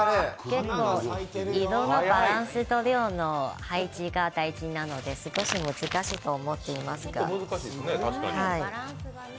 結構、色のバランスと量が大事なので、少し難しいと思っていますが。